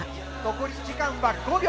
残り時間は５秒！